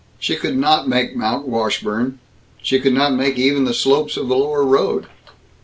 She could not make Mount Washburn she could not make even the slopes of the lower road.